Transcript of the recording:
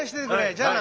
じゃあな。